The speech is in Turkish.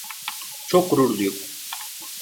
Çok gururluyum.